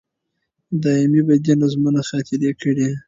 دایمي به دي نظمونه خاطرې کړي